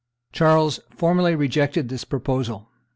Charles formally rejected this proposal.